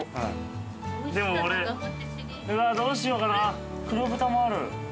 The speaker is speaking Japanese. でも俺うわっどうしようかな黒豚もある。